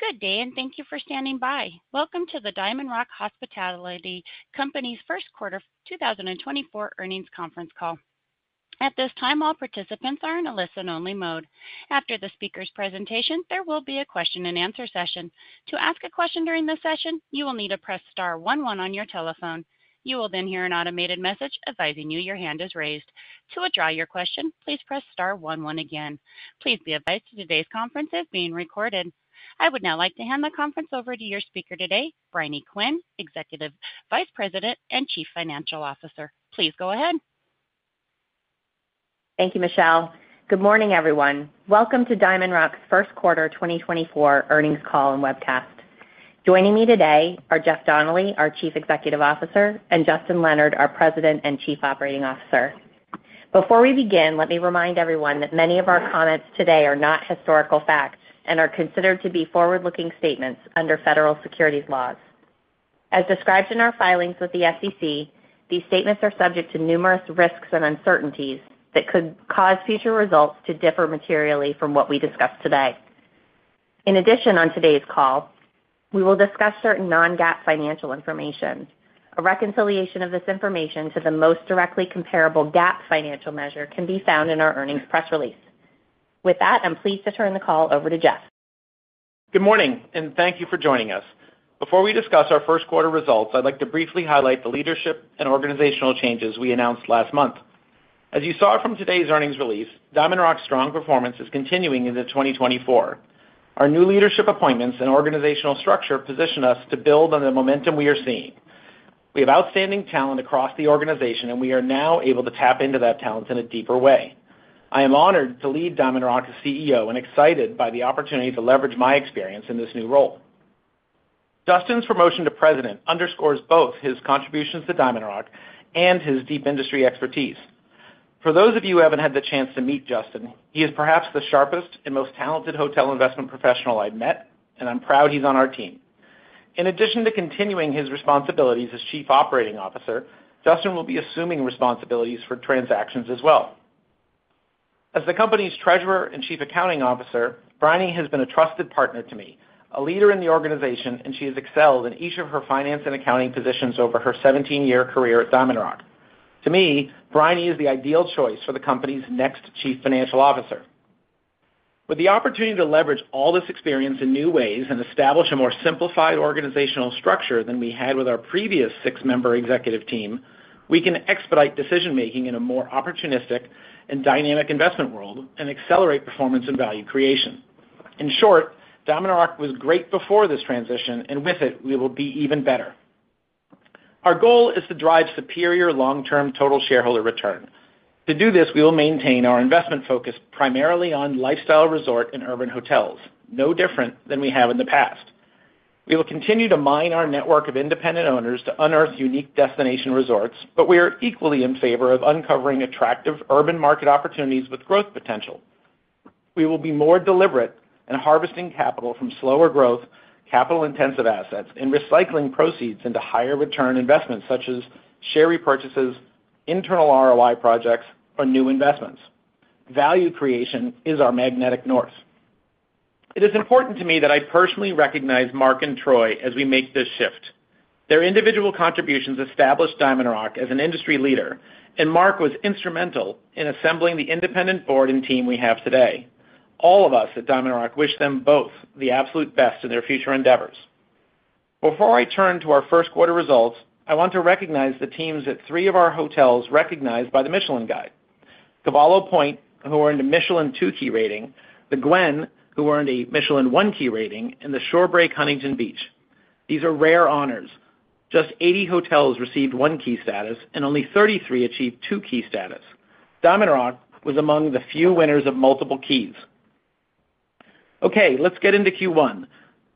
Good day, and thank you for standing by. Welcome to the DiamondRock Hospitality Company's first quarter 2024 earnings conference call. At this time, all participants are in a listen-only mode. After the speaker's presentation, there will be a question-and-answer session. To ask a question during this session, you will need to press star one one on your telephone. You will then hear an automated message advising you your hand is raised. To withdraw your question, please press star one one again. Please be advised today's conference is being recorded. I would now like to hand the conference over to your speaker today, Briony Quinn, Executive Vice President and Chief Financial Officer. Please go ahead. Thank you, Michelle. Good morning, everyone. Welcome to DiamondRock's first quarter 2024 earnings call and webcast. Joining me today are Jeff Donnelly, our Chief Executive Officer, and Justin Leonard, our President and Chief Operating Officer. Before we begin, let me remind everyone that many of our comments today are not historical facts and are considered to be forward-looking statements under federal securities laws. As described in our filings with the SEC, these statements are subject to numerous risks and uncertainties that could cause future results to differ materially from what we discuss today. In addition, on today's call, we will discuss certain non-GAAP financial information. A reconciliation of this information to the most directly comparable GAAP financial measure can be found in our earnings press release. With that, I'm pleased to turn the call over to Jeff. Good morning, and thank you for joining us. Before we discuss our first quarter results, I'd like to briefly highlight the leadership and organizational changes we announced last month. As you saw from today's earnings release, DiamondRock's strong performance is continuing into 2024. Our new leadership appointments and organizational structure position us to build on the momentum we are seeing. We have outstanding talent across the organization, and we are now able to tap into that talent in a deeper way. I am honored to lead DiamondRock as CEO and excited by the opportunity to leverage my experience in this new role. Justin's promotion to president underscores both his contributions to DiamondRock and his deep industry expertise. For those of you who haven't had the chance to meet Justin, he is perhaps the sharpest and most talented hotel investment professional I've met, and I'm proud he's on our team. In addition to continuing his responsibilities as Chief Operating Officer, Justin will be assuming responsibilities for transactions as well. As the company's treasurer and Chief Accounting Officer, Briony has been a trusted partner to me, a leader in the organization, and she has excelled in each of her finance and accounting positions over her 17-year career at DiamondRock. To me, Briony is the ideal choice for the company's next Chief Financial Officer. With the opportunity to leverage all this experience in new ways and establish a more simplified organizational structure than we had with our previous six-member executive team, we can expedite decision-making in a more opportunistic and dynamic investment world and accelerate performance and value creation. In short, DiamondRock was great before this transition, and with it, we will be even better. Our goal is to drive superior long-term total shareholder return. To do this, we will maintain our investment focus primarily on lifestyle, resort, and urban hotels, no different than we have in the past. We will continue to mine our network of independent owners to unearth unique destination resorts, but we are equally in favor of uncovering attractive urban market opportunities with growth potential. We will be more deliberate in harvesting capital from slower growth, capital-intensive assets, and recycling proceeds into higher return investments such as share repurchases, internal ROI projects, or new investments. Value creation is our magnetic north. It is important to me that I personally recognize Mark and Troy as we make this shift. Their individual contributions established DiamondRock as an industry leader, and Mark was instrumental in assembling the independent board and team we have today. All of us at DiamondRock wish them both the absolute best in their future endeavors. Before I turn to our first quarter results, I want to recognize the teams at three of our hotels recognized by the Michelin Guide. Cavallo Point, who earned a Michelin Two Key rating, the Gwen, who earned a Michelin One Key rating, and the Shorebreak Huntington Beach. These are rare honors. Just 80 hotels received One Key status, and only 33 achieved Two Key status. DiamondRock was among the few winners of multiple keys. Okay, let's get into Q1.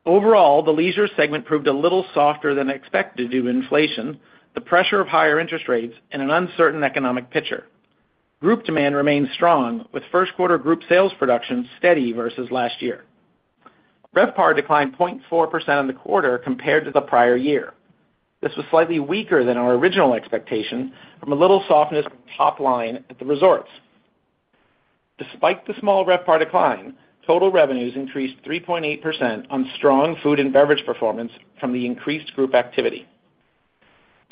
Overall, the leisure segment proved a little softer than expected due to inflation, the pressure of higher interest rates, and an uncertain economic picture. Group demand remains strong, with first quarter group sales production steady versus last year. RevPAR declined 0.4% in the quarter compared to the prior year. This was slightly weaker than our original expectation from a little softness top line at the resorts. Despite the small RevPAR decline, total revenues increased 3.8% on strong food and beverage performance from the increased group activity.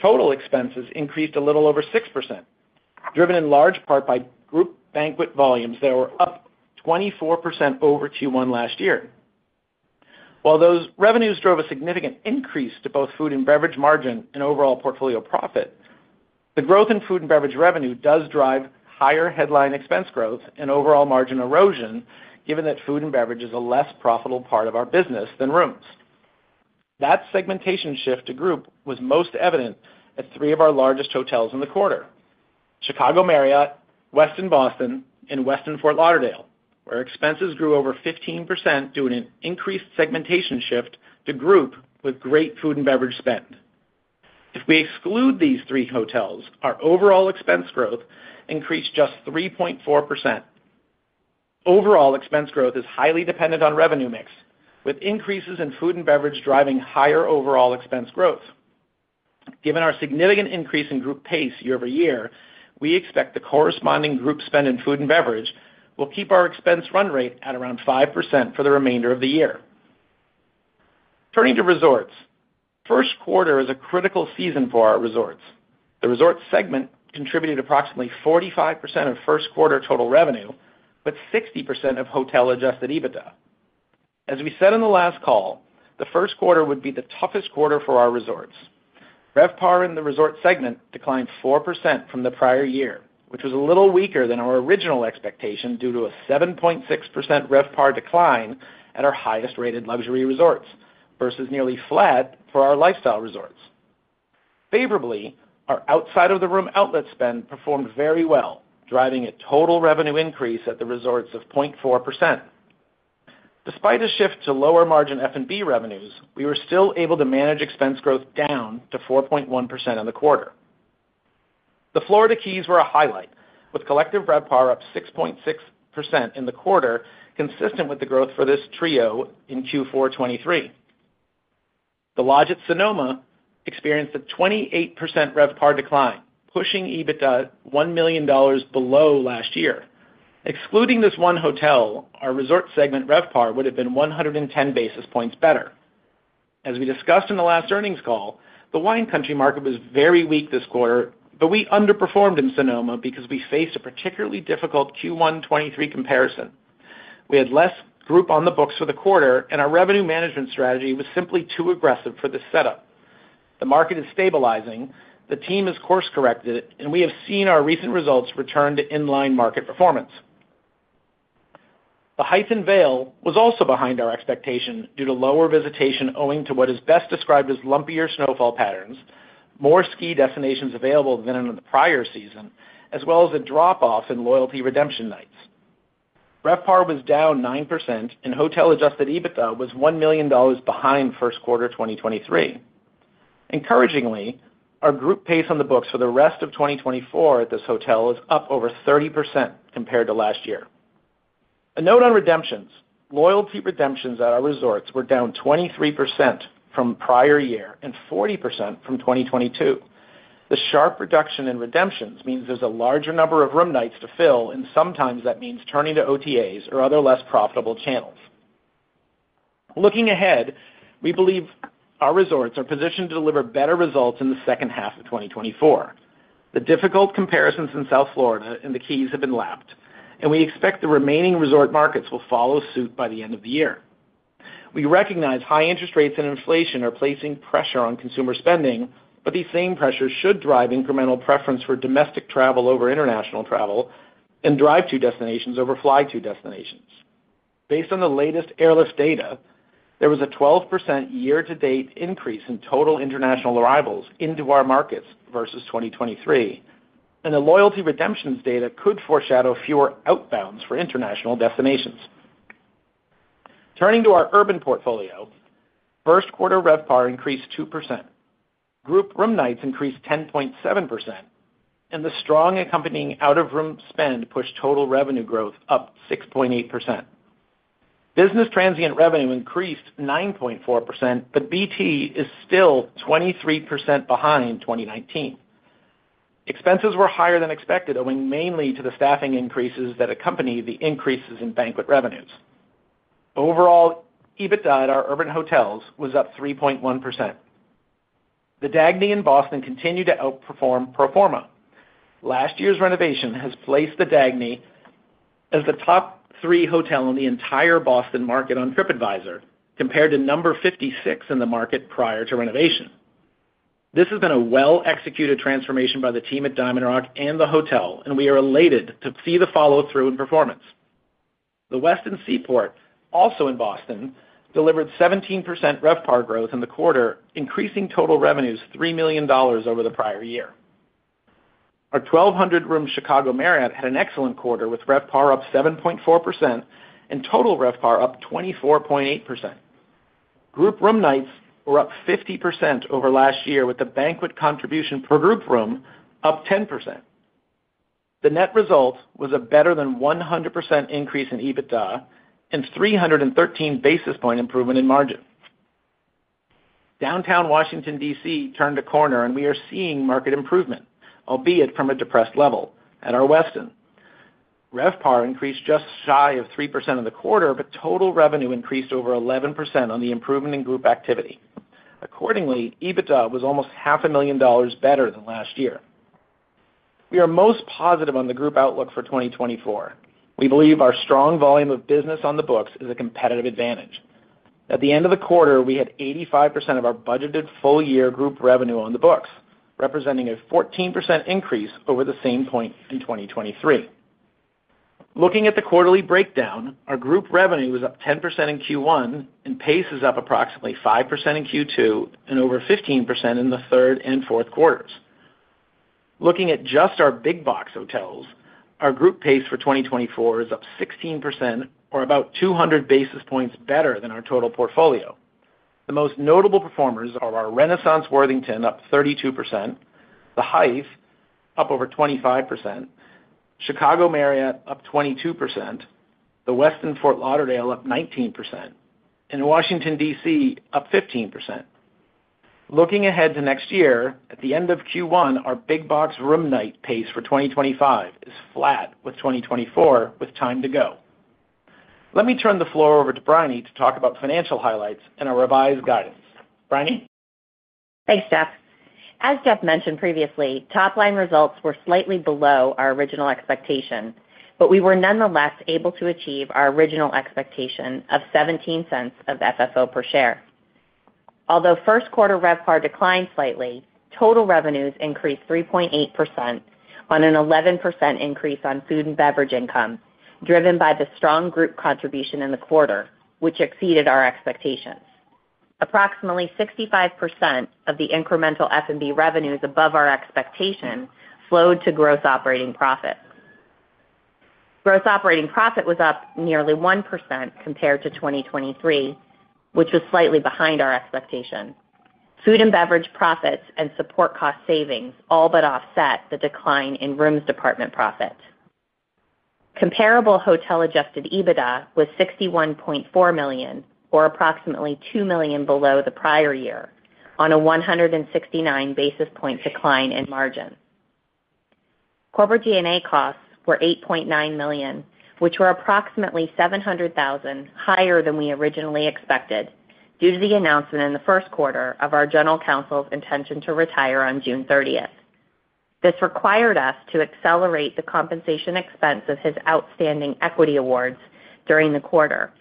Total expenses increased a little over 6%, driven in large part by group banquet volumes that were up 24% over Q1 last year. While those revenues drove a significant increase to both food and beverage margin and overall portfolio profit, the growth in food and beverage revenue does drive higher headline expense growth and overall margin erosion, given that food and beverage is a less profitable part of our business than rooms. That segmentation shift to group was most evident at three of our largest hotels in the quarter, Chicago Marriott, Westin Boston, and Westin Fort Lauderdale, where expenses grew over 15% due to an increased segmentation shift to group with great food and beverage spend. If we exclude these three hotels, our overall expense growth increased just 3.4%. Overall expense growth is highly dependent on revenue mix, with increases in food and beverage driving higher overall expense growth. Given our significant increase in group pace year-over-year, we expect the corresponding group spend in food and beverage will keep our expense run rate at around 5% for the remainder of the year. Turning to resorts. First quarter is a critical season for our resorts. The resort segment contributed approximately 45% of first quarter total revenue, but 60% of Hotel Adjusted EBITDA. As we said on the last call, the first quarter would be the toughest quarter for our resorts. RevPAR in the resort segment declined 4% from the prior year, which was a little weaker than our original expectation, due to a 7.6% RevPAR decline at our highest rated luxury resorts, versus nearly flat for our lifestyle resorts. Favorably, our outside of the room outlet spend performed very well, driving a total revenue increase at the resorts of 0.4%. Despite a shift to lower margin F&B revenues, we were still able to manage expense growth down to 4.1% in the quarter. The Florida Keys were a highlight, with collective RevPAR up 6.6% in the quarter, consistent with the growth for this trio in Q4 2023. The Lodge at Sonoma experienced a 28% RevPAR decline, pushing EBITDA $1 million below last year. Excluding this one hotel, our resort segment RevPAR would have been 110 basis points better. As we discussed in the last earnings call, the wine country market was very weak this quarter, but we underperformed in Sonoma because we faced a particularly difficult Q1 2023 comparison. We had less group on the books for the quarter, and our revenue management strategy was simply too aggressive for this setup. The market is stabilizing, the team has course corrected, and we have seen our recent results return to in-line market performance. The Hyatt in Vail was also behind our expectation due to lower visitation, owing to what is best described as lumpier snowfall patterns, more ski destinations available than in the prior season, as well as a drop-off in loyalty redemption nights. RevPAR was down 9%, and Hotel Adjusted EBITDA was $1 million behind first quarter 2023. Encouragingly, our group pace on the books for the rest of 2024 at this hotel is up over 30% compared to last year. A note on redemptions. Loyalty redemptions at our resorts were down 23% from prior year and 40% from 2022. The sharp reduction in redemptions means there's a larger number of room nights to fill, and sometimes that means turning to OTAs or other less profitable channels. Looking ahead, we believe our resorts are positioned to deliver better results in the second half of 2024. The difficult comparisons in South Florida and the Keys have been lapped, and we expect the remaining resort markets will follow suit by the end of the year. We recognize high interest rates and inflation are placing pressure on consumer spending, but these same pressures should drive incremental preference for domestic travel over international travel and drive-to destinations over fly to destinations. Based on the latest Airlist data, there was a 12% year-to-date increase in total international arrivals into our markets versus 2023, and the loyalty redemptions data could foreshadow fewer outbounds for international destinations. Turning to our urban portfolio, first quarter RevPAR increased 2%. Group room nights increased 10.7%, and the strong accompanying out-of-room spend pushed total revenue growth up 6.8%. Business transient revenue increased 9.4%, but BT is still 23% behind 2019. Expenses were higher than expected, owing mainly to the staffing increases that accompany the increases in banquet revenues. Overall, EBITDA at our urban hotels was up 3.1%. The Dagny in Boston continued to outperform pro forma. Last year's renovation has placed the Dagny as the top three hotel in the entire Boston market on TripAdvisor, compared to number 56 in the market prior to renovation. This has been a well-executed transformation by the team at DiamondRock and the hotel, and we are elated to see the follow-through in performance. The Westin Seaport, also in Boston, delivered 17% RevPAR growth in the quarter, increasing total revenues $3 million over the prior year. Our 1,200-room Chicago Marriott had an excellent quarter, with RevPAR up 7.4% and total RevPAR up 24.8%. Group room nights were up 50% over last year, with the banquet contribution per group room up 10%. The net result was a better than 100% increase in EBITDA and 313 basis point improvement in margin. Downtown Washington, D.C., turned a corner, and we are seeing market improvement, albeit from a depressed level at our Westin. RevPAR increased just shy of 3% in the quarter, but total revenue increased over 11% on the improvement in group activity. Accordingly, EBITDA was almost $500,000 better than last year. We are most positive on the group outlook for 2024. We believe our strong volume of business on the books is a competitive advantage. At the end of the quarter, we had 85% of our budgeted full-year group revenue on the books, representing a 14% increase over the same point in 2023. Looking at the quarterly breakdown, our group revenue was up 10% in Q1, and pace is up approximately 5% in Q2 and over 15% in the third and fourth quarters. Looking at just our big box hotels, our group pace for 2024 is up 16% or about 200 basis points better than our total portfolio. The most notable performers are our Renaissance Worthington, up 32%, the Hyatt-... up over 25%, Chicago Marriott up 22%, the Westin Fort Lauderdale up 19%, and Washington, D.C., up 15%. Looking ahead to next year, at the end of Q1, our big box room night pace for 2025 is flat with 2024, with time to go. Let me turn the floor over to Briony to talk about financial highlights and our revised guidance. Briony? Thanks, Jeff. As Jeff mentioned previously, top-line results were slightly below our original expectation, but we were nonetheless able to achieve our original expectation of $0.17 FFO per share. Although first quarter RevPAR declined slightly, total revenues increased 3.8% on an 11% increase on food and beverage income, driven by the strong group contribution in the quarter, which exceeded our expectations. Approximately 65% of the incremental FNB revenues above our expectation flowed to gross operating profit. Gross operating profit was up nearly 1% compared to 2023, which was slightly behind our expectation. Food and beverage profits and support cost savings all but offset the decline in rooms department profit. Comparable Hotel Adjusted EBITDA was $61.4 million, or approximately $2 million below the prior year, on a 169 basis points decline in margin. Corporate G&A costs were $8.9 million, which were approximately $700,000 higher than we originally expected, due to the announcement in the first quarter of our General Counsel's intention to retire on June 30th. This required us to accelerate the compensation expense of his outstanding equity awards during the quarter.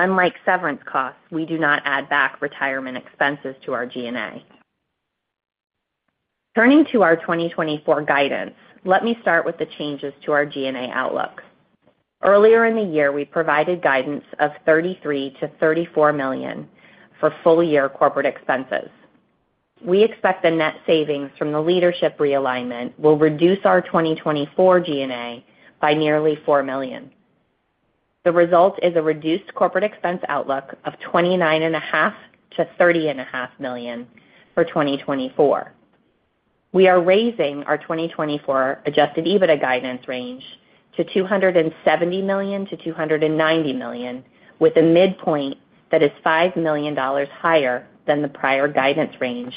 Unlike severance costs, we do not add back retirement expenses to our G&A. Turning to our 2024 guidance, let me start with the changes to our G&A outlook. Earlier in the year, we provided guidance of $33 million-$34 million for full-year corporate expenses. We expect the net savings from the leadership realignment will reduce our 2024 G&A by nearly $4 million. The result is a reduced corporate expense outlook of $29.5 million-$30.5 million for 2024. We are raising our 2024 Adjusted EBITDA guidance range to $270 million-$290 million, with a midpoint that is $5 million higher than the prior guidance range,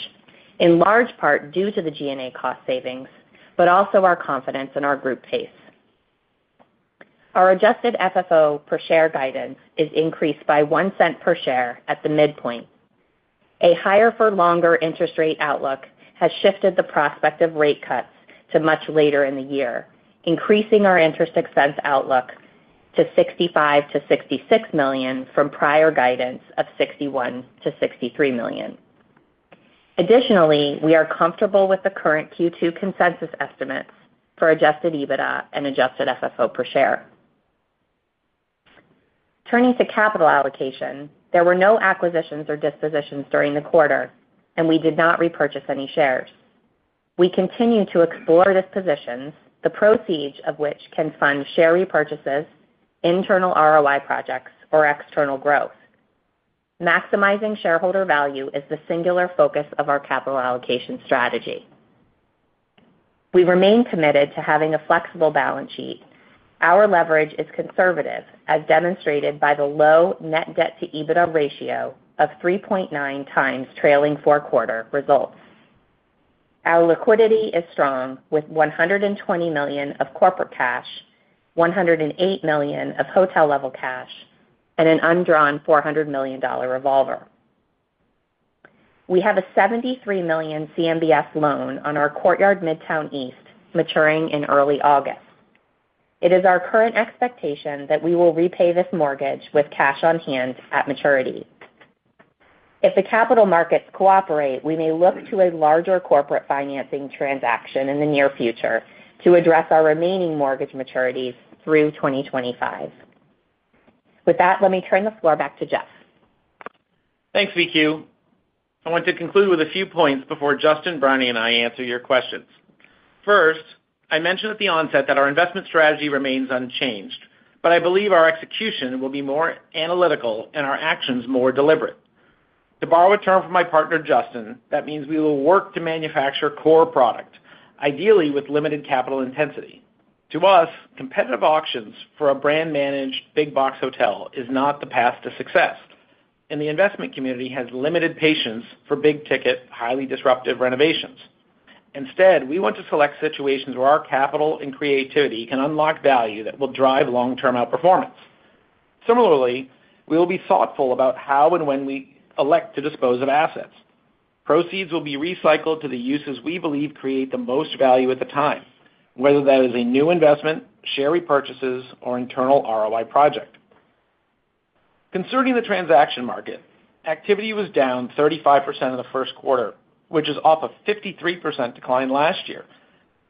in large part due to the G&A cost savings, but also our confidence in our group pace. Our Adjusted FFO per share guidance is increased by $0.01 per share at the midpoint. A higher for longer interest rate outlook has shifted the prospect of rate cuts to much later in the year, increasing our interest expense outlook to $65 million-$66 million from prior guidance of $61 million-$63 million. Additionally, we are comfortable with the current Q2 consensus estimates for Adjusted EBITDA and Adjusted FFO per share. Turning to capital allocation, there were no acquisitions or dispositions during the quarter, and we did not repurchase any shares. We continue to explore dispositions, the proceeds of which can fund share repurchases, internal ROI projects, or external growth. Maximizing shareholder value is the singular focus of our capital allocation strategy. We remain committed to having a flexible balance sheet. Our leverage is conservative, as demonstrated by the low net debt to EBITDA ratio of 3.9 times trailing four-quarter results. Our liquidity is strong, with $120 million of corporate cash, $108 million of hotel-level cash, and an undrawn $400 million revolver. We have a $73 million CMBS loan on our Courtyard Midtown East, maturing in early August. It is our current expectation that we will repay this mortgage with cash on hand at maturity. If the capital markets cooperate, we may look to a larger corporate financing transaction in the near future to address our remaining mortgage maturities through 2025. With that, let me turn the floor back to Jeff. Thanks, VQ. I want to conclude with a few points before Justin, Briony, and I answer your questions. First, I mentioned at the onset that our investment strategy remains unchanged, but I believe our execution will be more analytical and our actions more deliberate. To borrow a term from my partner, Justin, that means we will work to manufacture core product, ideally with limited capital intensity. To us, competitive auctions for a brand-managed big box hotel is not the path to success, and the investment community has limited patience for big-ticket, highly disruptive renovations. Instead, we want to select situations where our capital and creativity can unlock value that will drive long-term outperformance. Similarly, we will be thoughtful about how and when we elect to dispose of assets. Proceeds will be recycled to the uses we believe create the most value at the time, whether that is a new investment, share repurchases, or internal ROI project. Concerning the transaction market, activity was down 35% in the first quarter, which is off a 53% decline last year.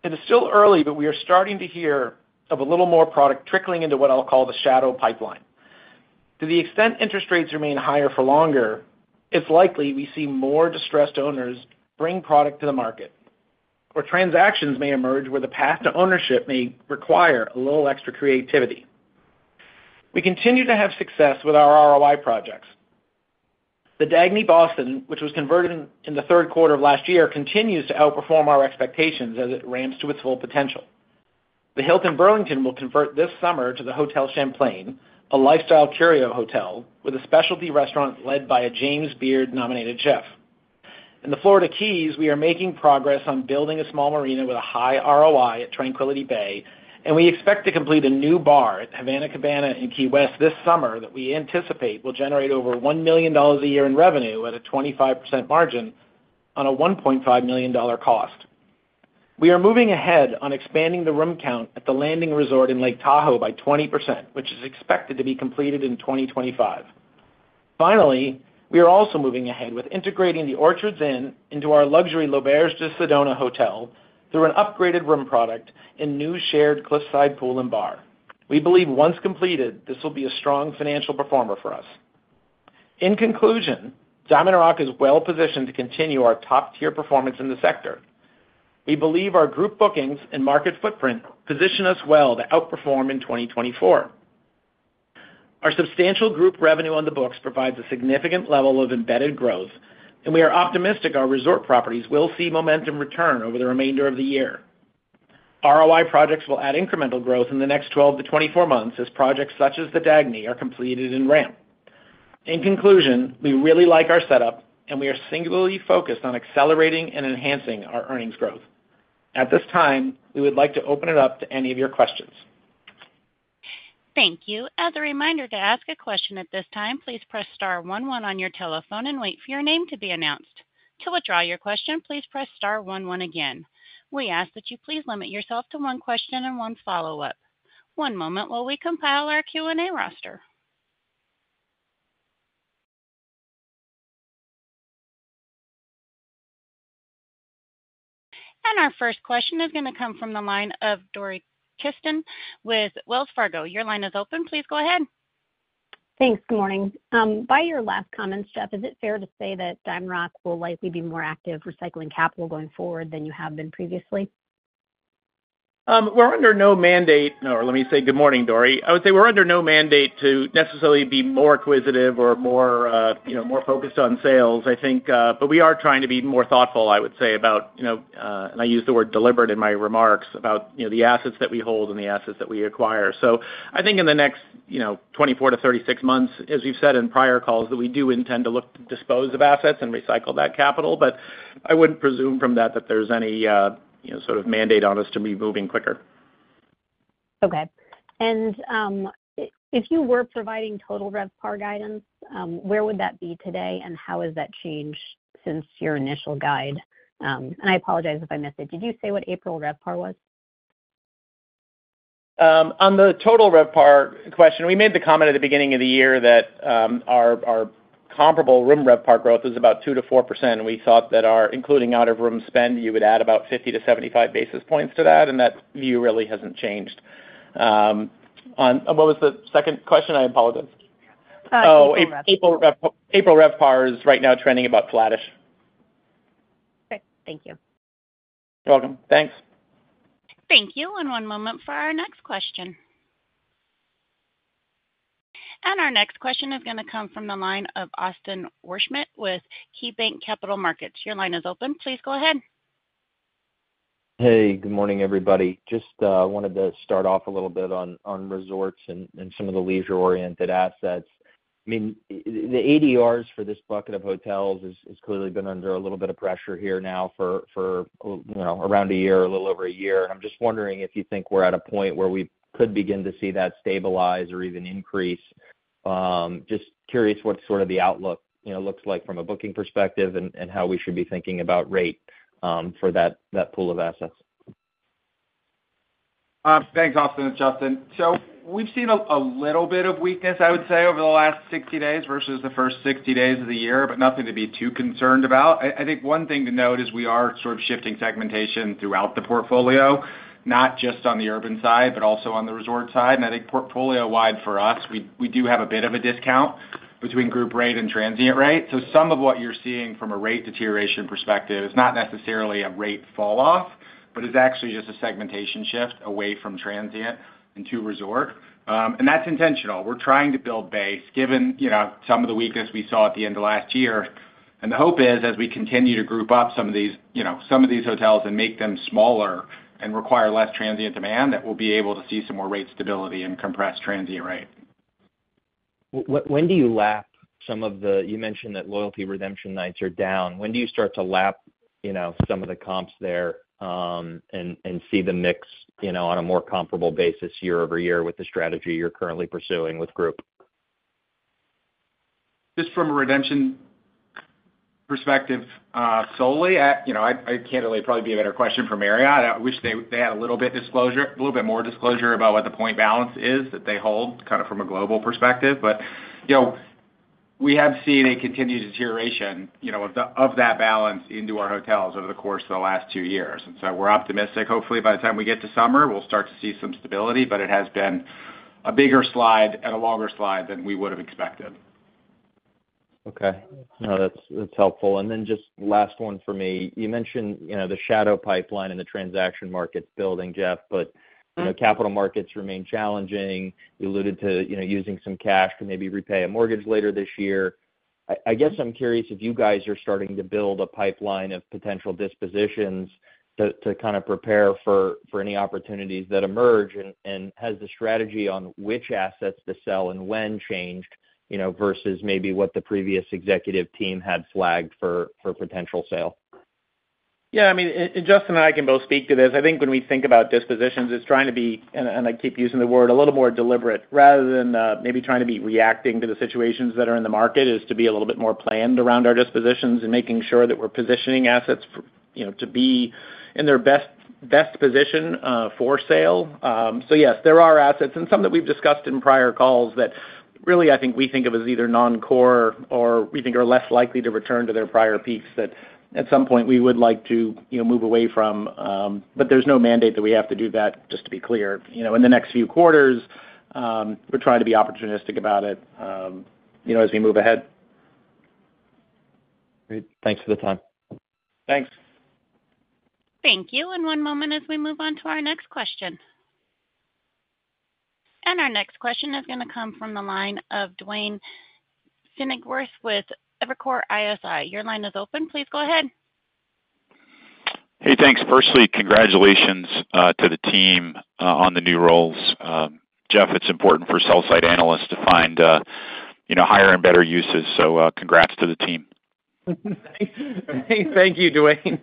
It is still early, but we are starting to hear of a little more product trickling into what I'll call the shadow pipeline. To the extent interest rates remain higher for longer, it's likely we see more distressed owners bring product to the market, where transactions may emerge, where the path to ownership may require a little extra creativity. We continue to have success with our ROI projects. The Dagny Boston, which was converted in the third quarter of last year, continues to outperform our expectations as it ramps to its full potential. The Hilton Burlington will convert this summer to the Hotel Champlain, a lifestyle Curio Hotel, with a specialty restaurant led by a James Beard-nominated chef. In the Florida Keys, we are making progress on building a small marina with a high ROI at Tranquility Bay, and we expect to complete a new bar at Havana Cabana in Key West this summer that we anticipate will generate over $1 million a year in revenue at a 25% margin on a $1.5 million cost. We are moving ahead on expanding the room count at the Landing Resort in Lake Tahoe by 20%, which is expected to be completed in 2025. Finally, we are also moving ahead with integrating the Orchards Inn into our luxury L'Auberge de Sedona Hotel through an upgraded room product and new shared cliffside pool and bar. We believe once completed, this will be a strong financial performer for us. In conclusion, DiamondRock is well positioned to continue our top-tier performance in the sector. We believe our group bookings and market footprint position us well to outperform in 2024. Our substantial group revenue on the books provides a significant level of embedded growth, and we are optimistic our resort properties will see momentum return over the remainder of the year. ROI projects will add incremental growth in the next 12-24 months as projects such as the Dagny are completed and ramp. In conclusion, we really like our setup, and we are singularly focused on accelerating and enhancing our earnings growth. At this time, we would like to open it up to any of your questions. Thank you. As a reminder, to ask a question at this time, please press star one one on your telephone and wait for your name to be announced. To withdraw your question, please press star one one again. We ask that you please limit yourself to one question and one follow-up. One moment while we compile our Q&A roster. Our first question is going to come from the line of Dori Kesten with Wells Fargo. Your line is open. Please go ahead. Thanks. Good morning. By your last comment, Jeff, is it fair to say that DiamondRock will likely be more active recycling capital going forward than you have been previously? We're under no mandate, or let me say, good morning, Dori. I would say we're under no mandate to necessarily be more acquisitive or more, you know, more focused on sales, I think, but we are trying to be more thoughtful, I would say, about, you know, and I used the word deliberate in my remarks, about, you know, the assets that we hold and the assets that we acquire. So I think in the next, you know, 24-36 months, as we've said in prior calls, that we do intend to look to dispose of assets and recycle that capital, but I wouldn't presume from that, that there's any, you know, sort of mandate on us to be moving quicker. Okay. If you were providing total RevPAR guidance, where would that be today, and how has that changed since your initial guide? I apologize if I missed it. Did you say what April RevPAR was? On the total RevPAR question, we made the comment at the beginning of the year that, our comparable room RevPAR growth is about 2%-4%, and we thought that our, including out of room spend, you would add about 50-75 basis points to that, and that view really hasn't changed. On... What was the second question? I apologize. April RevPAR. Oh, April RevPAR. April RevPAR is right now trending about flattish. Okay, thank you. You're welcome. Thanks. Thank you, and one moment for our next question. Our next question is going to come from the line of Austin Wurschmidt with KeyBank Capital Markets. Your line is open. Please go ahead. Hey, good morning, everybody. Just wanted to start off a little bit on resorts and some of the leisure-oriented assets. I mean, the ADRs for this bucket of hotels is clearly been under a little bit of pressure here now for you know, around a year, a little over a year. I'm just wondering if you think we're at a point where we could begin to see that stabilize or even increase. Just curious what sort of the outlook, you know, looks like from a booking perspective and how we should be thinking about rate for that pool of assets. Thanks, Austin, it's Justin. So we've seen a little bit of weakness, I would say, over the last 60 days versus the first 60 days of the year, but nothing to be too concerned about. I think one thing to note is we are sort of shifting segmentation throughout the portfolio, not just on the urban side, but also on the resort side. And I think portfolio-wide for us, we do have a bit of a discount between group rate and transient rate. So some of what you're seeing from a rate deterioration perspective is not necessarily a rate fall off, but is actually just a segmentation shift away from transient into resort. And that's intentional. We're trying to build base, given, you know, some of the weakness we saw at the end of last year. The hope is, as we continue to group up some of these, you know, some of these hotels and make them smaller and require less transient demand, that we'll be able to see some more rate stability and compressed transient rate. When do you lap some of the, you mentioned that loyalty redemption nights are down. When do you start to lap, you know, some of the comps there, and see the mix, you know, on a more comparable basis year-over-year with the strategy you're currently pursuing with group? Just from a redemption perspective, solely, you know, I can't really. Probably be a better question for Marriott. I wish they had a little bit disclosure, a little bit more disclosure about what the point balance is that they hold, kind of from a global perspective. But, you know, we have seen a continued deterioration, you know, of that balance into our hotels over the course of the last two years, and so we're optimistic. Hopefully, by the time we get to summer, we'll start to see some stability, but it has been a bigger slide and a longer slide than we would've expected. ... Okay. No, that's, that's helpful. And then just last one for me. You mentioned, you know, the shadow pipeline and the transaction markets building, Jeff, but- Mm-hmm. You know, capital markets remain challenging. You alluded to, you know, using some cash to maybe repay a mortgage later this year. I, I guess I'm curious if you guys are starting to build a pipeline of potential dispositions to, to kind of prepare for, for any opportunities that emerge, and, and has the strategy on which assets to sell and when changed, you know, versus maybe what the previous executive team had flagged for, for potential sale? Yeah, I mean, and Justin and I can both speak to this. I think when we think about dispositions, it's trying to be, and I keep using the word, a little more deliberate rather than maybe trying to be reacting to the situations that are in the market, is to be a little bit more planned around our dispositions and making sure that we're positioning assets for, you know, to be in their best, best position for sale. So yes, there are assets and some that we've discussed in prior calls that really, I think we think of as either non-core or we think are less likely to return to their prior peaks, that at some point we would like to, you know, move away from. But there's no mandate that we have to do that, just to be clear. You know, in the next few quarters, we're trying to be opportunistic about it, you know, as we move ahead. Great. Thanks for the time. Thanks. Thank you, and one moment as we move on to our next question. Our next question is going to come from the line of Duane Pfennigwerth with Evercore ISI. Your line is open. Please go ahead. Hey, thanks. Firstly, congratulations to the team on the new roles. Jeff, it's important for sell-side analysts to find, you know, higher and better uses, so congrats to the team. Thank you, Duane.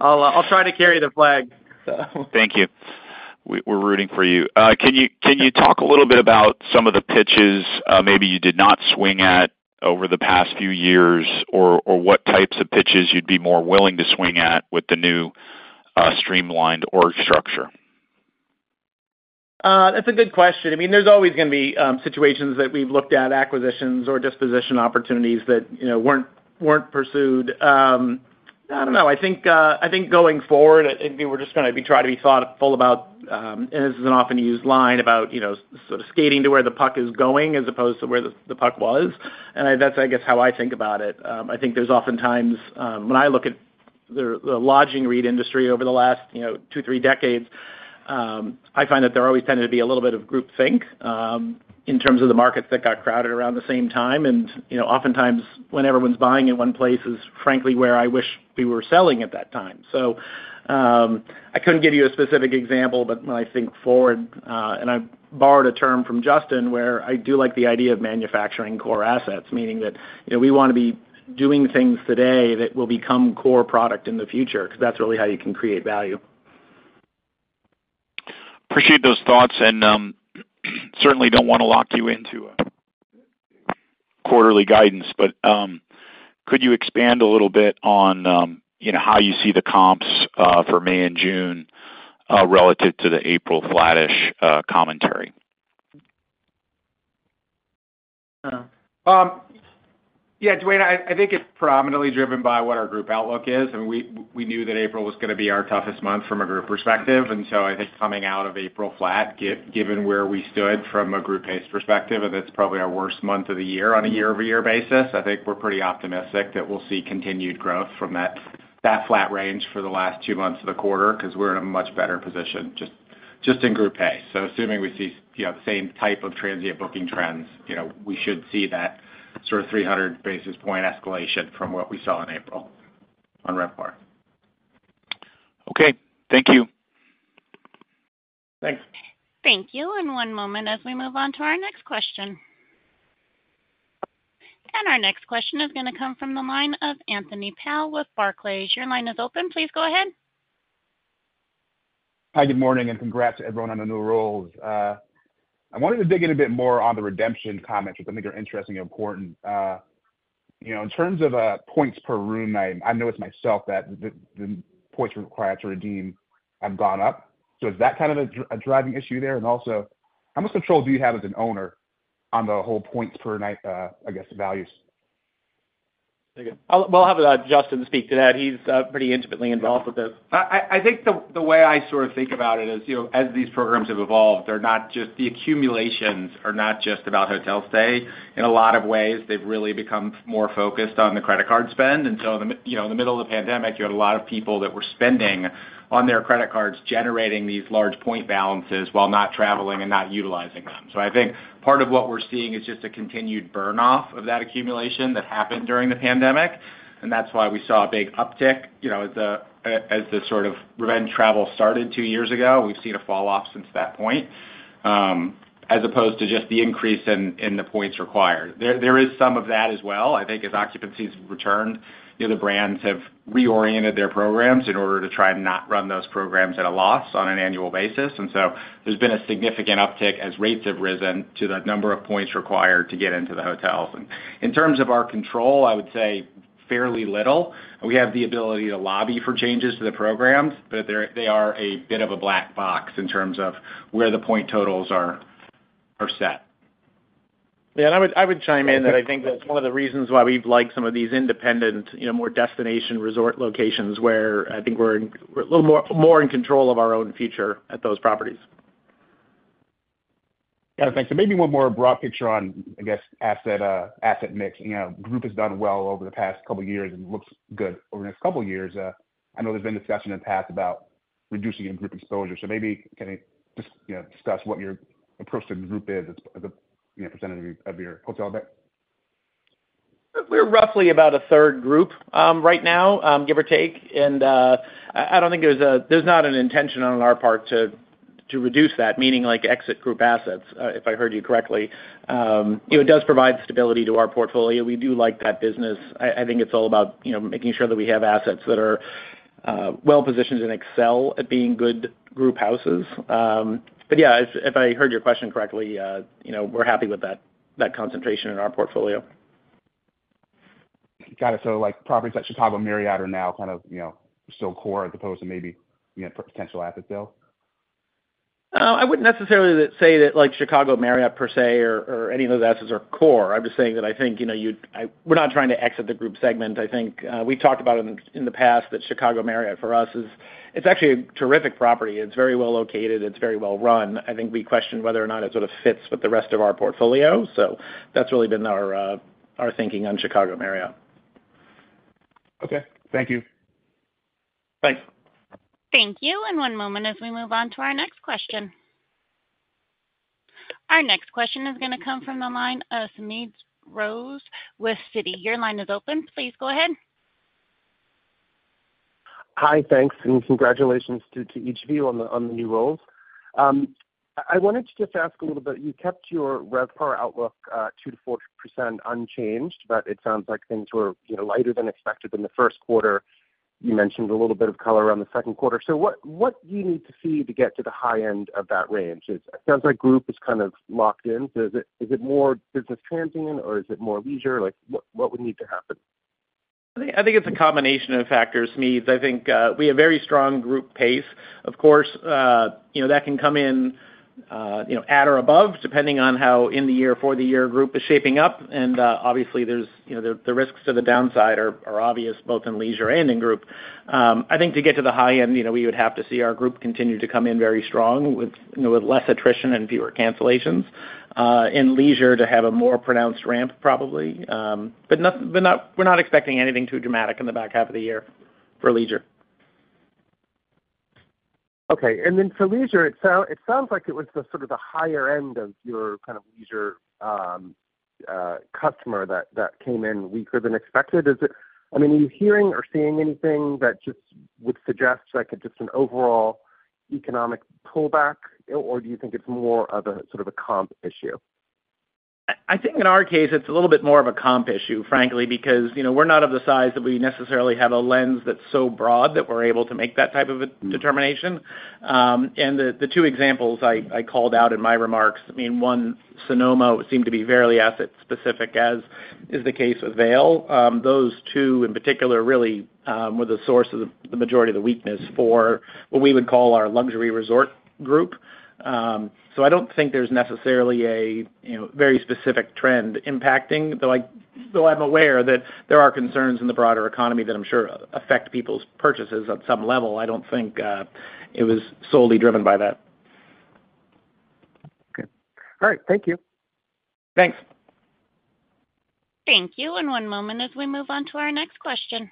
I'll try to carry the flag, so. Thank you. We're rooting for you. Can you, can you talk a little bit about some of the pitches, maybe you did not swing at over the past few years, or, or what types of pitches you'd be more willing to swing at with the new, streamlined org structure? That's a good question. I mean, there's always going to be, situations that we've looked at, acquisitions or disposition opportunities that, you know, weren't pursued. I don't know. I think, I think going forward, I think we're just going to be try to be thoughtful about, and this is an often used line about, you know, sort of skating to where the puck is going, as opposed to where the puck was. And that's, I guess, how I think about it. I think there's often times, when I look at the lodging REIT industry over the last, you know, 2, 3 decades, I find that there always tended to be a little bit of groupthink, in terms of the markets that got crowded around the same time. You know, oftentimes, when everyone's buying in one place is frankly where I wish we were selling at that time. So, I couldn't give you a specific example, but when I think forward, and I borrowed a term from Justin, where I do like the idea of manufacturing core assets, meaning that, you know, we want to be doing things today that will become core product in the future, because that's really how you can create value. Appreciate those thoughts, and certainly don't want to lock you into a quarterly guidance, but could you expand a little bit on, you know, how you see the comps for May and June relative to the April flattish commentary? Yeah, Duane, I think it's predominantly driven by what our group outlook is, and we knew that April was going to be our toughest month from a group perspective, and so I think coming out of April flat, given where we stood from a group pace perspective, and that's probably our worst month of the year on a year-over-year basis, I think we're pretty optimistic that we'll see continued growth from that flat range for the last two months of the quarter because we're in a much better position just in group A. So assuming we see, you know, the same type of transient booking trends, you know, we should see that sort of 300 basis points escalation from what we saw in April on RevPAR. Okay, thank you. Thanks. Thank you, and one moment as we move on to our next question. Our next question is going to come from the line of Anthony Powell with Barclays. Your line is open. Please go ahead. Hi, good morning, and congrats to everyone on the new roles. I wanted to dig in a bit more on the redemption comments, which I think are interesting and important. You know, in terms of points per room night, I know it's myself that the points required to redeem have gone up. So is that kind of a driving issue there? And also, how much control do you have as an owner on the whole points per night, I guess, values? Well, I'll have Justin speak to that. He's pretty intimately involved with this. I think the way I sort of think about it is, you know, as these programs have evolved, they're not just the accumulations are not just about hotel stay. In a lot of ways, they've really become more focused on the credit card spend. And so, you know, in the middle of the pandemic, you had a lot of people that were spending on their credit cards, generating these large point balances while not traveling and not utilizing them. So I think part of what we're seeing is just a continued burn-off of that accumulation that happened during the pandemic, and that's why we saw a big uptick, you know, as the sort of revenge travel started two years ago. We've seen a falloff since that point, as opposed to just the increase in the points required. There, there is some of that as well. I think as occupancy has returned, the other brands have reoriented their programs in order to try and not run those programs at a loss on an annual basis. And so there's been a significant uptick, as rates have risen, to the number of points required to get into the hotels. And in terms of our control, I would say fairly little. We have the ability to lobby for changes to the programs, but they're- they are a bit of a black box in terms of where the point totals are, are set. Yeah, and I would chime in that I think that's one of the reasons why we've liked some of these independent, you know, more destination resort locations, where I think we're a little more in control of our own future at those properties.... Got it. Thanks. So maybe one more broad picture on, I guess, asset, asset mix. You know, group has done well over the past couple years and looks good over the next couple years. I know there's been discussion in the past about reducing your group exposure. So maybe can you just, you know, discuss what your approach to the group is as a, you know, percentage of your, of your hotel debt? We're roughly about a third group, right now, give or take. And, I don't think there's a-- there's not an intention on our part to reduce that, meaning like exit group assets, if I heard you correctly. It does provide stability to our portfolio. We do like that business. I think it's all about, you know, making sure that we have assets that are well positioned and excel at being good group houses. But yeah, if I heard your question correctly, you know, we're happy with that concentration in our portfolio. Got it. So, like, properties like Chicago Marriott are now kind of, you know, still core as opposed to maybe, you know, potential asset sale? I wouldn't necessarily say that, like, Chicago Marriott per se or, or any of those assets are core. I'm just saying that I think, you know, we're not trying to exit the group segment. I think, we've talked about it in, in the past, that Chicago Marriott, for us, is... It's actually a terrific property. It's very well located. It's very well run. I think we question whether or not it sort of fits with the rest of our portfolio. So that's really been our, our thinking on Chicago Marriott. Okay, thank you. Thanks. Thank you. One moment as we move on to our next question. Our next question is gonna come from the line of Smedes Rose with Citi. Your line is open. Please go ahead. Hi, thanks, and congratulations to each of you on the new roles. I wanted to just ask a little bit. You kept your RevPAR outlook 2%-4% unchanged, but it sounds like things were, you know, lighter than expected in the first quarter. You mentioned a little bit of color around the second quarter. So what do you need to see to get to the high end of that range? It sounds like group is kind of locked in. So is it more business transient or is it more leisure? Like, what would need to happen? I think it's a combination of factors, Smedes. I think we have very strong group pace. Of course, you know, that can come in at or above, depending on how in the year for the year group is shaping up. And obviously, there's, you know, the risks to the downside are obvious, both in leisure and in group. I think to get to the high end, you know, we would have to see our group continue to come in very strong with, you know, with less attrition and fewer cancellations. In leisure, to have a more pronounced ramp, probably. But not—but not—we're not expecting anything too dramatic in the back half of the year for leisure. Okay. And then for leisure, it sounds like it was the sort of higher end of your kind of leisure customer that came in weaker than expected. I mean, are you hearing or seeing anything that just would suggest, like, just an overall economic pullback, or do you think it's more of a sort of a comp issue? I think in our case, it's a little bit more of a comp issue, frankly, because, you know, we're not of the size that we necessarily have a lens that's so broad that we're able to make that type of a determination. And the two examples I called out in my remarks, I mean, one, Sonoma seemed to be very asset specific, as is the case with Vail. Those two in particular really were the source of the majority of the weakness for what we would call our luxury resort group. So I don't think there's necessarily a you know, very specific trend impacting, though I'm aware that there are concerns in the broader economy that I'm sure affect people's purchases at some level. I don't think it was solely driven by that. Okay. All right. Thank you. Thanks. Thank you. One moment as we move on to our next question.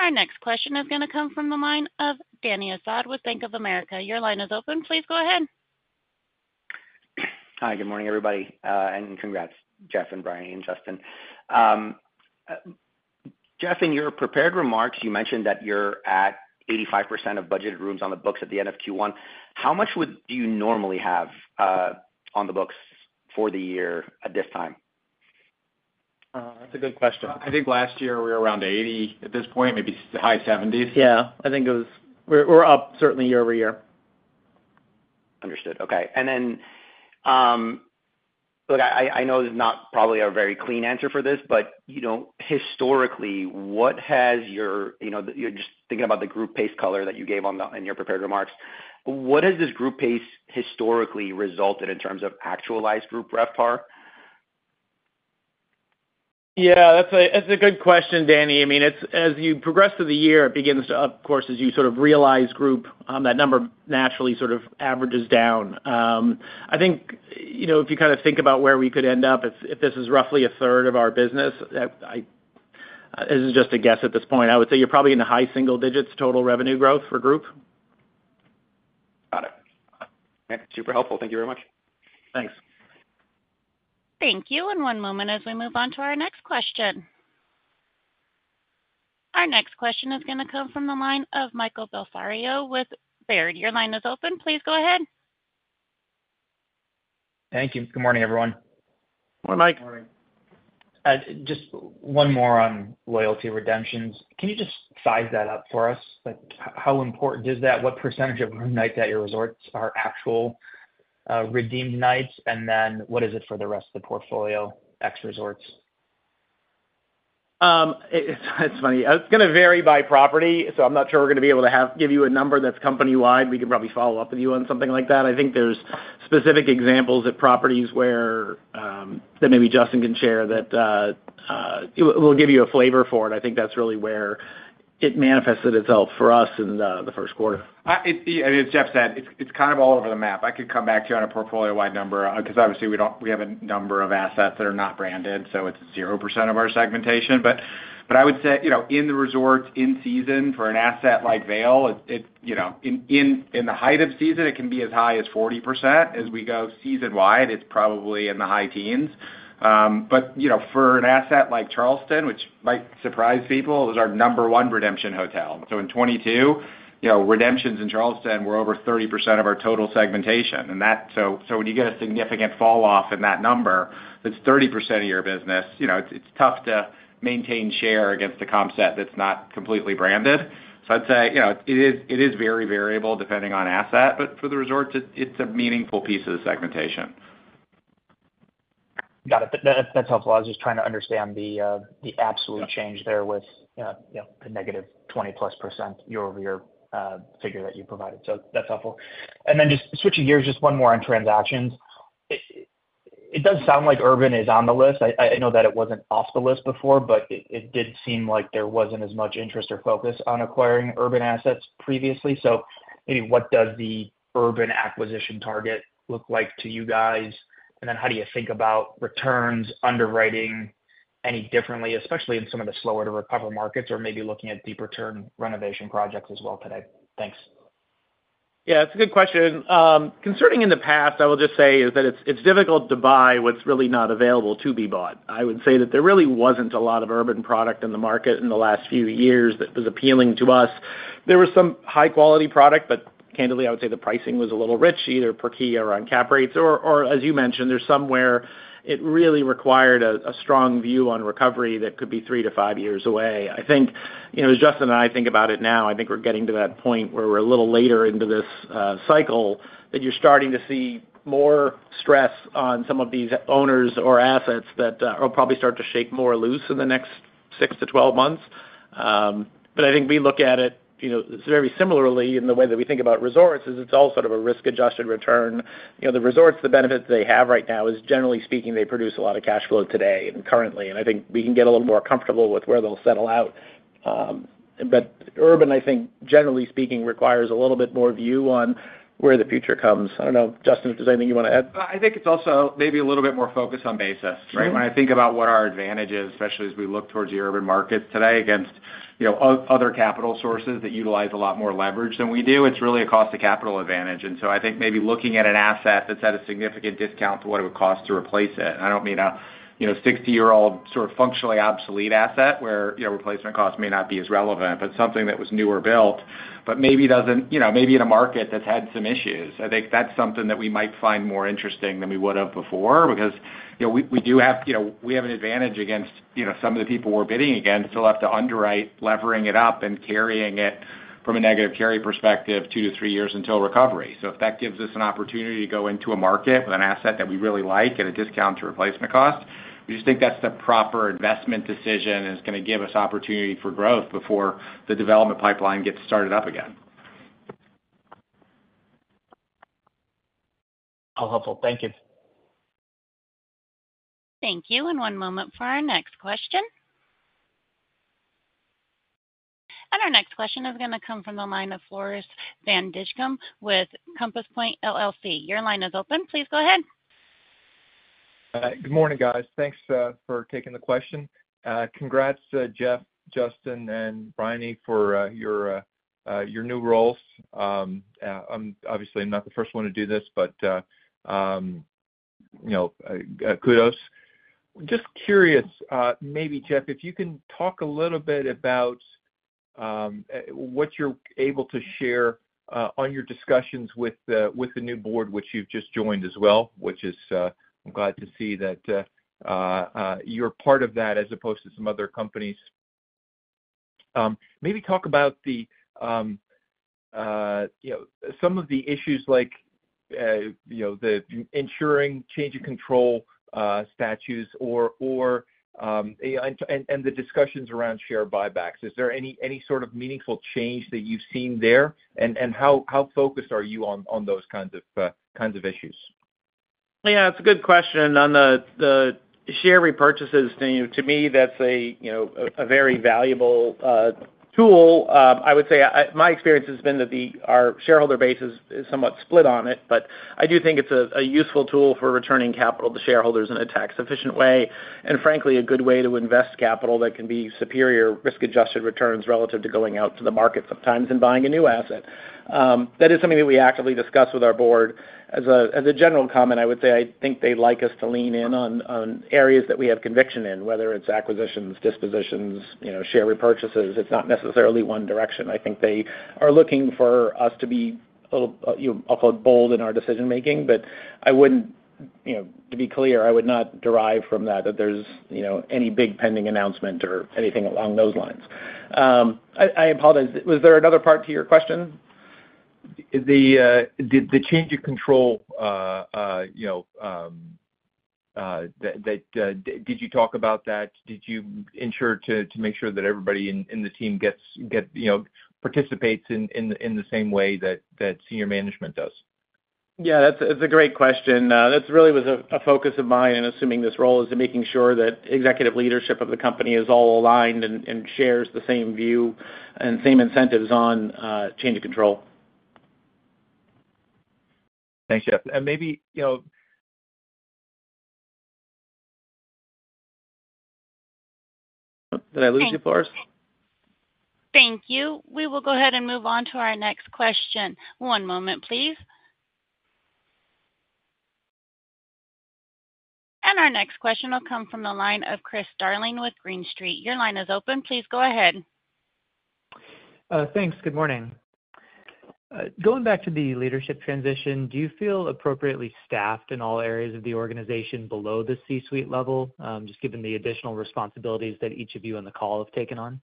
Our next question is gonna come from the line of Dany Asad with Bank of America. Your line is open. Please go ahead. Hi, good morning, everybody, and congrats, Jeff and Briony and Justin. Jeff, in your prepared remarks, you mentioned that you're at 85% of budgeted rooms on the books at the end of Q1. How much do you normally have on the books for the year at this time? That's a good question. I think last year we were around 80 at this point, maybe high 70s. Yeah, I think it was... We're up certainly year-over-year. Understood. Okay. And then, look, I know there's not probably a very clean answer for this, but you know, historically, what has your—you know, you're just thinking about the group pace color that you gave on the—in your prepared remarks. What has this group pace historically resulted in terms of actualized group RevPAR? Yeah, that's a good question, Danny. I mean, it's as you progress through the year, it begins to, of course, as you sort of realize group, that number naturally sort of averages down. I think, you know, if you kind of think about where we could end up, if this is roughly a third of our business, This is just a guess at this point. I would say you're probably in the high single digits total revenue growth for group. Got it. Okay, super helpful. Thank you very much. Thanks. Thank you. And one moment as we move on to our next question. Our next question is gonna come from the line of Michael Bellisario with Baird. Your line is open. Please go ahead. Thank you. Good morning, everyone. Good morning, Mike. Good morning. Just one more on loyalty redemptions. Can you just size that up for us? Like, how important is that? What percentage of room nights at your resorts are actual, redeemed nights? And then what is it for the rest of the portfolio, ex resorts? It's funny. It's gonna vary by property, so I'm not sure we're gonna be able to give you a number that's company-wide. We can probably follow up with you on something like that. I think there's specific examples at properties where... that maybe Justin can share that. We'll give you a flavor for it. I think that's really where it manifested itself for us in the first quarter. It, yeah, as Jeff said, it's kind of all over the map. I could come back to you on a portfolio-wide number, because obviously, we don't have a number of assets that are not branded, so it's 0% of our segmentation. But I would say, you know, in the resorts, in season, for an asset like Vail, you know, in the height of season, it can be as high as 40%. As we go season-wide, it's probably in the high teens. But, you know, for an asset like Charleston, which might surprise people, it was our number one redemption hotel. So in 2022, you know, redemptions in Charleston were over 30% of our total segmentation, and that. So when you get a significant falloff in that number, that's 30% of your business, you know, it's tough to maintain share against a comp set that's not completely branded. So I'd say, you know, it is very variable depending on asset, but for the resorts, it's a meaningful piece of the segmentation. Got it. That, that's helpful. I was just trying to understand the absolute change there with, you know, the -20% year-over-year figure that you provided. So that's helpful. And then just switching gears, just one more on transactions. It, it does sound like urban is on the list. I, I, know that it wasn't off the list before, but it, it did seem like there wasn't as much interest or focus on acquiring urban assets previously. So maybe what does the urban acquisition target look like to you guys? And then how do you think about returns, underwriting any differently, especially in some of the slower-to-recover markets, or maybe looking at deeper return renovation projects as well today? Thanks. Yeah, it's a good question. Concerning in the past, I will just say is that it's difficult to buy what's really not available to be bought. I would say that there really wasn't a lot of urban product in the market in the last few years that was appealing to us. There was some high-quality product, but candidly, I would say the pricing was a little rich, either per key or on cap rates, or as you mentioned, there's somewhere it really required a strong view on recovery that could be 3-5 years away. I think, you know, as Justin and I think about it now, I think we're getting to that point where we're a little later into this cycle, that you're starting to see more stress on some of these owners or assets that will probably start to shake more loose in the next 6-12 months. But I think we look at it, you know, very similarly in the way that we think about resorts, is it's all sort of a risk-adjusted return. You know, the resorts, the benefit they have right now is, generally speaking, they produce a lot of cash flow today and currently, and I think we can get a little more comfortable with where they'll settle out. But urban, I think, generally speaking, requires a little bit more view on where the future comes. I don't know, Justin, if there's anything you want to add? I think it's also maybe a little bit more focused on basis, right? When I think about what our advantage is, especially as we look towards the urban markets today against, you know, other capital sources that utilize a lot more leverage than we do, it's really a cost of capital advantage. And so I think maybe looking at an asset that's at a significant discount to what it would cost to replace it. And I don't mean a, you know, 60-year-old, sort of, functionally obsolete asset, where, you know, replacement costs may not be as relevant, but something that was newer built, but maybe doesn't... You know, maybe in a market that's had some issues. I think that's something that we might find more interesting than we would have before, because, you know, we do have, you know, an advantage against, you know, some of the people we're bidding against, who still have to underwrite, levering it up and carrying it from a negative carry perspective, two to three years until recovery. So if that gives us an opportunity to go into a market with an asset that we really like at a discount to replacement cost, we just think that's the proper investment decision, and it's going to give us opportunity for growth before the development pipeline gets started up again. Oh, helpful. Thank you. Thank you, and one moment for our next question. Our next question is going to come from the line of Floris van Dijkum with Compass Point LLC. Your line is open. Please go ahead. Good morning, guys. Thanks for taking the question. Congrats, Jeff, Justin, and Briony for your new roles. I'm obviously not the first one to do this, but you know, kudos. Just curious, maybe, Jeff, if you can talk a little bit about what you're able to share on your discussions with the new board, which you've just joined as well, which is, I'm glad to see that you're part of that, as opposed to some other companies. Maybe talk about you know, some of the issues like you know, the ensuring change in control statutes or and the discussions around share buybacks. Is there any sort of meaningful change that you've seen there? How focused are you on those kinds of issues? Yeah, it's a good question. On the share repurchases, you know, to me, that's a, you know, a very valuable tool. My experience has been that our shareholder base is somewhat split on it, but I do think it's a useful tool for returning capital to shareholders in a tax-efficient way, and frankly, a good way to invest capital that can be superior risk-adjusted returns relative to going out to the market sometimes and buying a new asset. That is something that we actively discuss with our board. As a general comment, I would say I think they'd like us to lean in on areas that we have conviction in, whether it's acquisitions, dispositions, you know, share repurchases. It's not necessarily one direction. I think they are looking for us to be a little, you know, I'll call it, bold in our decision-making, but I wouldn't... You know, to be clear, I would not derive from that, that there's, you know, any big pending announcement or anything along those lines. I apologize. Was there another part to your question? The change of control, you know, that, did you talk about that? Did you ensure to make sure that everybody in the team gets, you know, participates in the same way that senior management does?... Yeah, that's a great question. That really was a focus of mine in assuming this role, is in making sure that executive leadership of the company is all aligned and shares the same view and same incentives on change of control. Thanks, Jeff. And maybe, you know-- Did I lose you, Floris? Thank you. We will go ahead and move on to our next question. One moment, please. Our next question will come from the line of Chris Darling with Green Street. Your line is open. Please go ahead. Thanks. Good morning. Going back to the leadership transition, do you feel appropriately staffed in all areas of the organization below the C-suite level, just given the additional responsibilities that each of you on the call have taken on?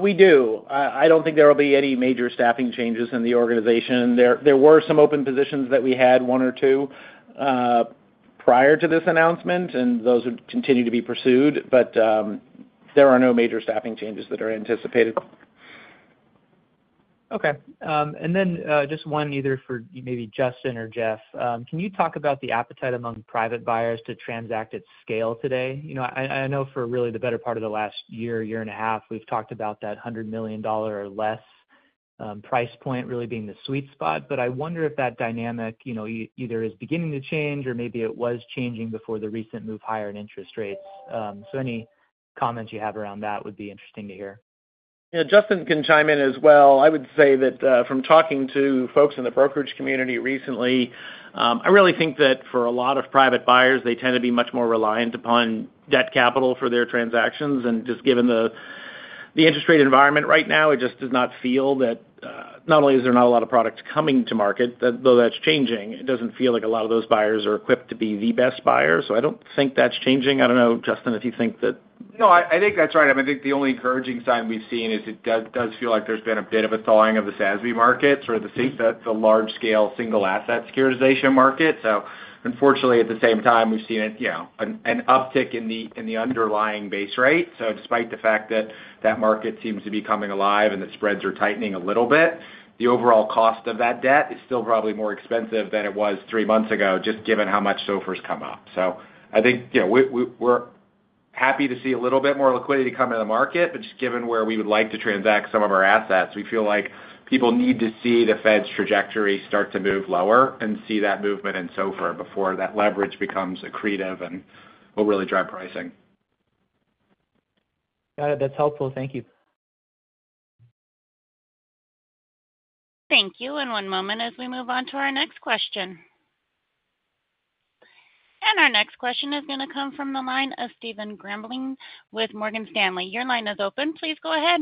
We do. I don't think there will be any major staffing changes in the organization. There were some open positions that we had, one or two, prior to this announcement, and those would continue to be pursued, but there are no major staffing changes that are anticipated. Okay. And then, just one either for maybe Justin or Jeff. Can you talk about the appetite among private buyers to transact at scale today? You know, I, I know for really the better part of the last year, year and a half, we've talked about that $100 million or less price point really being the sweet spot. But I wonder if that dynamic, you know, either is beginning to change, or maybe it was changing before the recent move higher in interest rates. So any comments you have around that would be interesting to hear. Yeah, Justin can chime in as well. I would say that from talking to folks in the brokerage community recently, I really think that for a lot of private buyers, they tend to be much more reliant upon debt capital for their transactions. And just given the interest rate environment right now, it just does not feel that not only is there not a lot of product coming to market, though that's changing, it doesn't feel like a lot of those buyers are equipped to be the best buyers. So I don't think that's changing. I don't know, Justin, if you think that. No, I think that's right. I think the only encouraging sign we've seen is it does feel like there's been a bit of a thawing of the SASB markets or the SA- the large-scale single asset securitization market. So unfortunately, at the same time, we've seen, you know, an uptick in the underlying base rate. So despite the fact that that market seems to be coming alive and that spreads are tightening a little bit, the overall cost of that debt is still probably more expensive than it was three months ago, just given how much SOFR has come up. I think, you know, we're happy to see a little bit more liquidity come into the market, but just given where we would like to transact some of our assets, we feel like people need to see the Fed's trajectory start to move lower and see that movement in SOFR before that leverage becomes accretive and will really drive pricing. Got it. That's helpful. Thank you. Thank you, and one moment as we move on to our next question. Our next question is gonna come from the line of Stephen Grambling with Morgan Stanley. Your line is open. Please go ahead.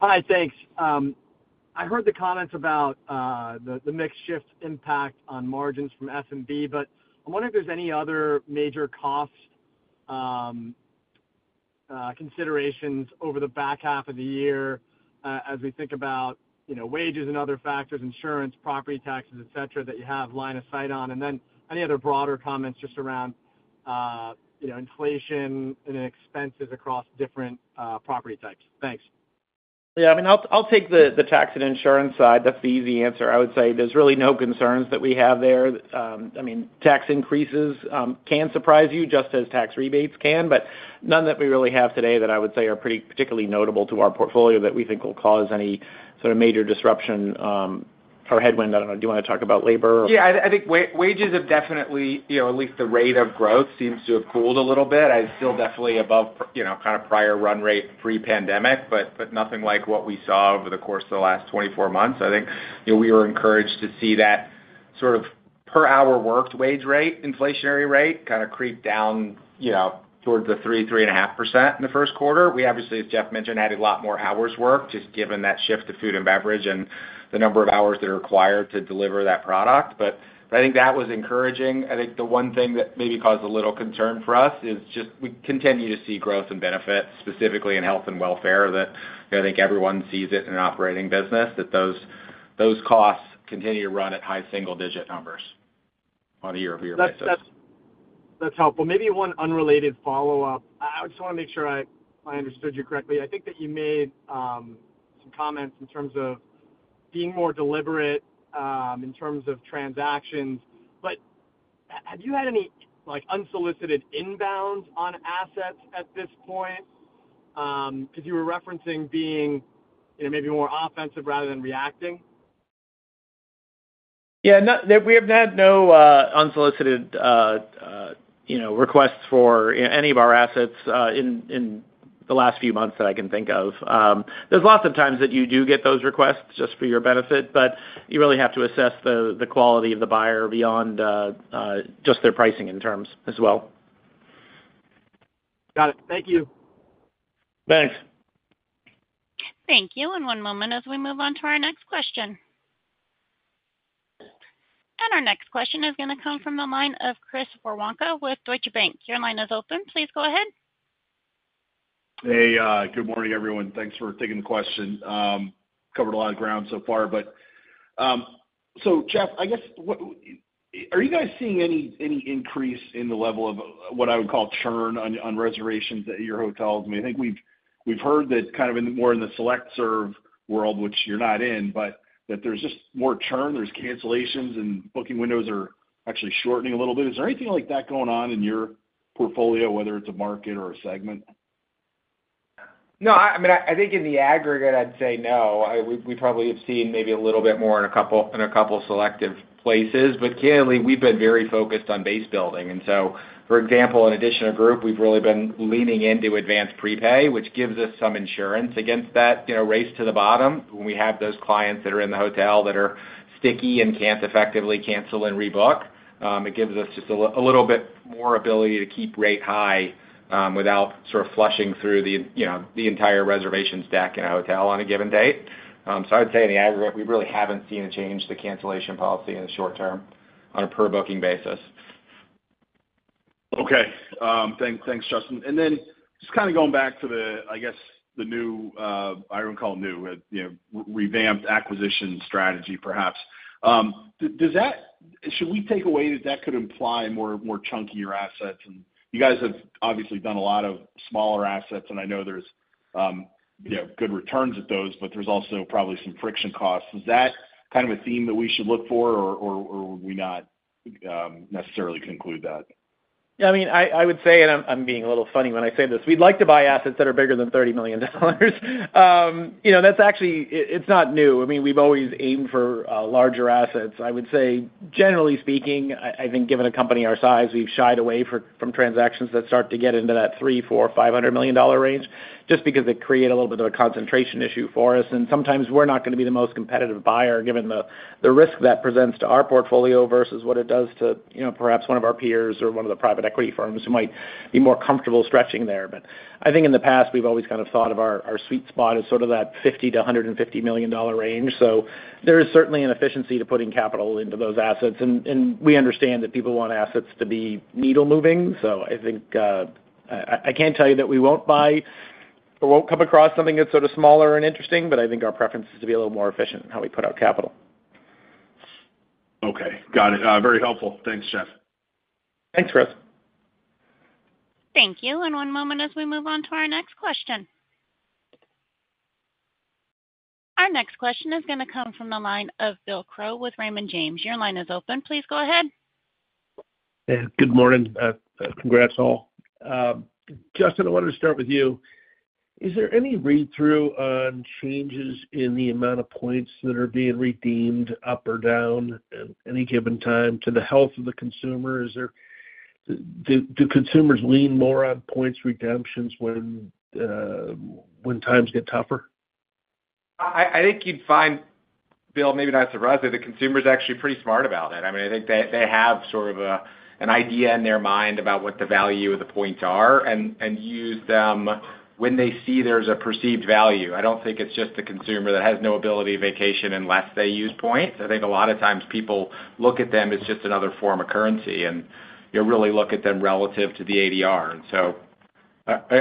Hi, thanks. I heard the comments about the mix shift impact on margins from S&B, but I'm wondering if there's any other major cost considerations over the back half of the year, as we think about, you know, wages and other factors, insurance, property taxes, et cetera, that you have line of sight on. And then any other broader comments just around, you know, inflation and expenses across different property types? Thanks. Yeah, I mean, I'll take the tax and insurance side. That's the easy answer. I would say there's really no concerns that we have there. I mean, tax increases can surprise you, just as tax rebates can, but none that we really have today that I would say are pretty particularly notable to our portfolio that we think will cause any sort of major disruption or headwind. I don't know, do you wanna talk about labor or? Yeah, I think wages have definitely, you know, at least the rate of growth seems to have cooled a little bit. It's still definitely above, you know, kind of prior run rate pre-pandemic, but nothing like what we saw over the course of the last 24 months. I think, you know, we were encouraged to see that sort of per hour worked wage rate, inflationary rate, kind of creep down, you know, towards the 3%-3.5% in the first quarter. We obviously, as Jeff mentioned, added a lot more hours worked, just given that shift to food and beverage and the number of hours that are required to deliver that product. But I think that was encouraging. I think the one thing that maybe caused a little concern for us is just we continue to see growth and benefits, specifically in health and welfare, that I think everyone sees it in an operating business, that those, those costs continue to run at high single digit numbers on a year-over-year basis. That's, that's helpful. Maybe one unrelated follow-up. I just wanna make sure I understood you correctly. I think that you made some comments in terms of being more deliberate in terms of transactions. But have you had any, like, unsolicited inbounds on assets at this point? Because you were referencing being, you know, maybe more offensive rather than reacting. Yeah, no, we have had no unsolicited, you know, requests for any of our assets in the last few months that I can think of. There's lots of times that you do get those requests, just for your benefit, but you really have to assess the quality of the buyer beyond just their pricing in terms as well. Got it. Thank you. Thanks. Thank you, and one moment as we move on to our next question. Our next question is gonna come from the line of Chris Woronka with Deutsche Bank. Your line is open. Please go ahead. Hey, good morning, everyone. Thanks for taking the question. Covered a lot of ground so far, but so Jeff, I guess, what are you guys seeing any, any increase in the level of what I would call churn on, on reservations at your hotels? I mean, I think we've, we've heard that kind of in more in the select serve world, which you're not in, but that there's just more churn, there's cancellations, and booking windows are actually shortening a little bit. Is there anything like that going on in your portfolio, whether it's a market or a segment? No, I mean, I think in the aggregate, I'd say no. We probably have seen maybe a little bit more in a couple of selective places, but clearly, we've been very focused on base building. And so, for example, in addition to group, we've really been leaning into advanced prepay, which gives us some insurance against that, you know, race to the bottom when we have those clients that are in the hotel that are sticky and can't effectively cancel and rebook. It gives us just a little bit more ability to keep rate high, without sort of flushing through the, you know, the entire reservation stack in a hotel on a given date. So I'd say in the aggregate, we really haven't seen a change to the cancellation policy in the short term on a per booking basis. Okay. Thanks, Justin. And then just kind of going back to the, I guess, the new, I wouldn't call it new, but, you know, revamped acquisition strategy, perhaps. Does that should we take away that that could imply more, more chunkier assets? And you guys have obviously done a lot of smaller assets, and I know there's, you know, good returns at those, but there's also probably some friction costs. Is that kind of a theme that we should look for, or, or, or would we not necessarily conclude that? Yeah, I mean, I would say, and I'm being a little funny when I say this: We'd like to buy assets that are bigger than $30 million. You know, that's actually, it's not new. I mean, we've always aimed for larger assets. I would say, generally speaking, I think given a company our size, we've shied away from transactions that start to get into that $300-$500 million range, just because they create a little bit of a concentration issue for us. And sometimes we're not going to be the most competitive buyer, given the risk that presents to our portfolio versus what it does to, you know, perhaps one of our peers or one of the private equity firms who might be more comfortable stretching there. But I think in the past, we've always kind of thought of our sweet spot as sort of that $50 million-$150 million range. So there is certainly an efficiency to putting capital into those assets, and we understand that people want assets to be needle moving. So I think, I can't tell you that we won't buy or won't come across something that's sort of smaller and interesting, but I think our preference is to be a little more efficient in how we put out capital. Okay, got it. Very helpful. Thanks, Jeff. Thanks, Chris. Thank you. And one moment as we move on to our next question. Our next question is going to come from the line of Bill Crow with Raymond James. Your line is open. Please go ahead. Yeah, good morning. Congrats, all. Justin, I wanted to start with you. Is there any read-through on changes in the amount of points that are being redeemed up or down at any given time to the health of the consumer? Is there? Do consumers lean more on points redemptions when times get tougher? I think you'd find, Bill, maybe not surprisingly, the consumer is actually pretty smart about it. I mean, I think they have sort of an idea in their mind about what the value of the points are and use them when they see there's a perceived value. I don't think it's just a consumer that has no ability to vacation unless they use points. I think a lot of times people look at them as just another form of currency, and you really look at them relative to the ADR. And so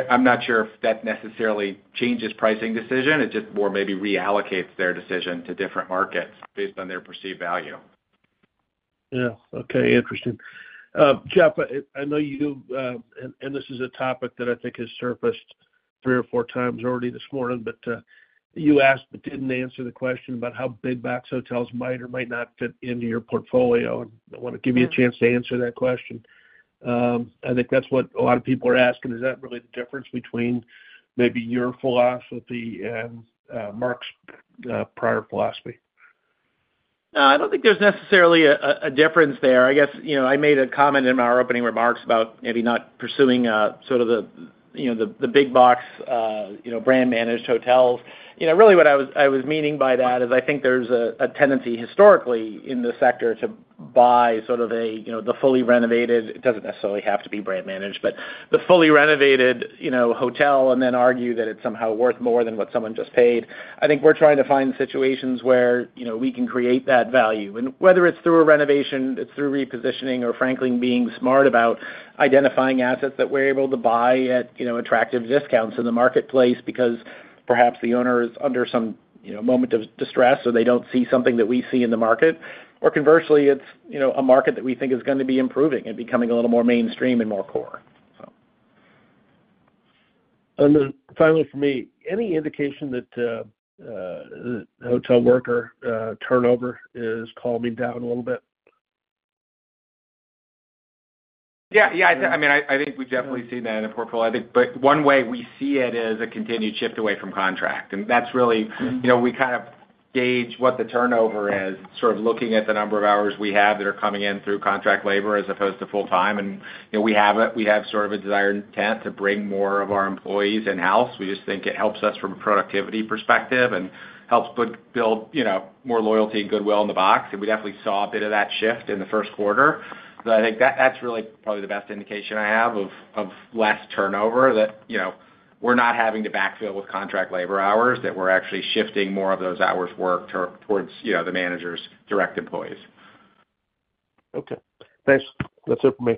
I'm not sure if that necessarily changes pricing decision. It just more maybe reallocates their decision to different markets based on their perceived value. Yeah. Okay, interesting. Jeff, I know you, and this is a topic that I think has surfaced three or four times already this morning, but you asked but didn't answer the question about how big box hotels might or might not fit into your portfolio. I think that's what a lot of people are asking. Is that really the difference between maybe your philosophy and Mark's prior philosophy? I don't think there's necessarily a difference there. I guess, you know, I made a comment in our opening remarks about maybe not pursuing sort of the big box, you know, brand-managed hotels. You know, really what I was meaning by that is, I think there's a tendency historically in the sector to buy sort of a, you know, the fully renovated, it doesn't necessarily have to be brand-managed, but the fully renovated, you know, hotel, and then argue that it's somehow worth more than what someone just paid. I think we're trying to find situations where, you know, we can create that value. Whether it's through a renovation, it's through repositioning, or frankly, being smart about identifying assets that we're able to buy at, you know, attractive discounts in the marketplace, because perhaps the owner is under some, you know, moment of distress, or they don't see something that we see in the market. Or conversely, it's, you know, a market that we think is going to be improving and becoming a little more mainstream and more core, so. And then finally, for me, any indication that hotel worker turnover is calming down a little bit? Yeah, yeah. I mean, I think we've definitely seen that in the portfolio, I think. But one way we see it is a continued shift away from contract, and that's really... You know, we kind of gauge what the turnover is, sort of looking at the number of hours we have that are coming in through contract labor as opposed to full-time. And, you know, we have sort of a desired intent to bring more of our employees in-house. We just think it helps us from a productivity perspective and helps build, you know, more loyalty and goodwill in the box. And we definitely saw a bit of that shift in the first quarter. I think that that's really probably the best indication I have of less turnover, that you know, we're not having to backfill with contract labor hours, that we're actually shifting more of those hours worked towards, you know, the manager's direct employees. Okay, thanks. That's it for me.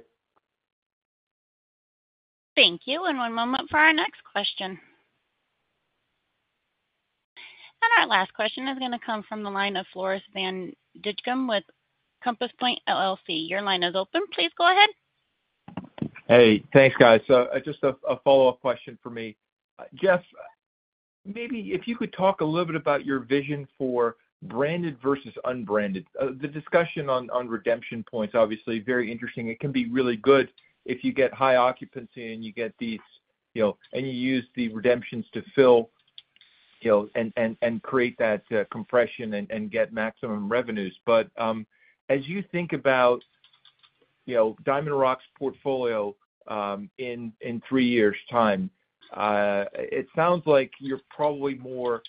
Thank you, and one moment for our next question.... Our last question is going to come from the line of Floris van Dijkum with Compass Point LLC. Your line is open. Please go ahead. Hey, thanks, guys. Just a follow-up question for me. Jeff, maybe if you could talk a little bit about your vision for branded versus unbranded. The discussion on redemption points, obviously very interesting. It can be really good if you get high occupancy, and you get these, you know, and you use the redemptions to fill, you know, and create that compression and get maximum revenues. But, as you think about, you know, DiamondRock's portfolio, in three years' time, it sounds like you're probably more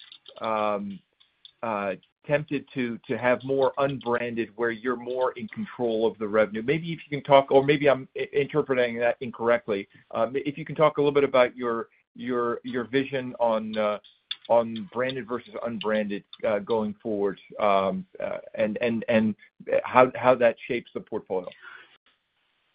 tempted to have more unbranded, where you're more in control of the revenue. Maybe if you can talk or maybe I'm interpreting that incorrectly. If you can talk a little bit about your vision on branded versus unbranded going forward, and how that shapes the portfolio.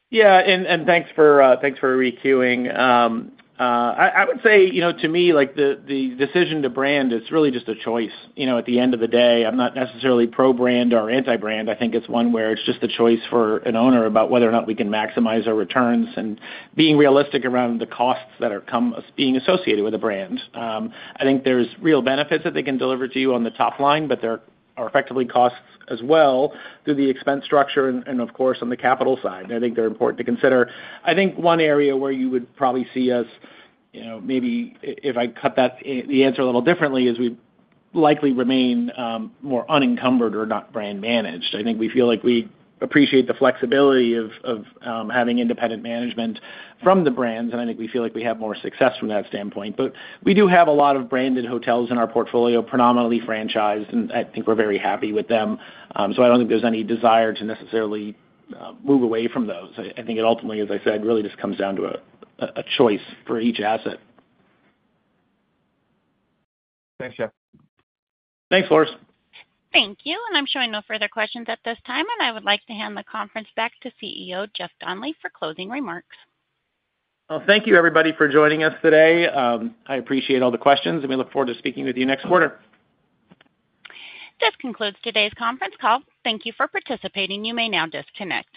Yeah, and thanks for re-queuing. I would say, you know, to me, like, the decision to brand is really just a choice. You know, at the end of the day, I'm not necessarily pro-brand or anti-brand. I think it's one where it's just a choice for an owner about whether or not we can maximize our returns and being realistic around the costs that are coming as being associated with a brand. I think there's real benefits that they can deliver to you on the top line, but there are effectively costs as well, through the expense structure and, of course, on the capital side, and I think they're important to consider. I think one area where you would probably see us, you know, maybe if I put that, the answer a little differently, is we likely remain more unencumbered or not brand managed. I think we feel like we appreciate the flexibility of having independent management from the brands, and I think we feel like we have more success from that standpoint. But we do have a lot of branded hotels in our portfolio, predominantly franchised, and I think we're very happy with them. So I don't think there's any desire to necessarily move away from those. I think it ultimately, as I said, really just comes down to a choice for each asset. Thanks, Jeff. Thanks, Floris. Thank you, and I'm showing no further questions at this time, and I would like to hand the conference back to CEO, Jeff Donnelly, for closing remarks. Well, thank you, everybody, for joining us today. I appreciate all the questions, and we look forward to speaking with you next quarter. This concludes today's conference call. Thank you for participating. You may now disconnect.